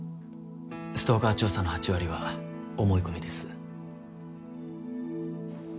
ストーカー調査の８割は思い込みです。